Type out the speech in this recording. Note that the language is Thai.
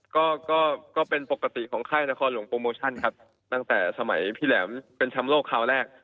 ก็ก็เป็นปกติของค่ายนครหลวงโปรโมชั่นครับตั้งแต่สมัยพี่แหลมเป็นแชมป์โลกคราวแรก